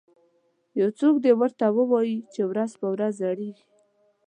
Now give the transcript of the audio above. یو څوک دې ورته ووایي چې ورځ په ورځ زړیږي